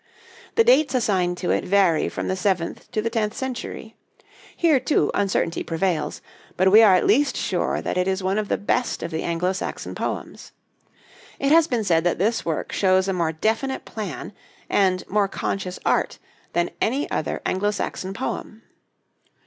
The dates assigned to it vary from the seventh to the tenth century; here, too, uncertainty prevails: but we are at least sure that it is one of the best of the Anglo Saxon poems. It has been said that this work shows a more definite plan and more conscious art than any other Anglo Saxon poem.